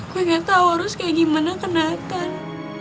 gue gak tahu harus kayak gimana kena nathan